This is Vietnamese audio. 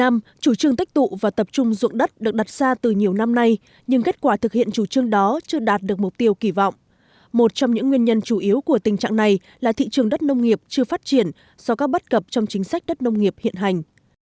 một trong những nguyên nhân chủ yếu của tình trạng này là thị trường đất nông nghiệp chưa phát triển do các bắt gập trong chính sách đất nông nghiệp hiện hành